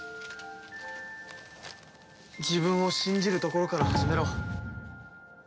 自分を信じるところから始めろ。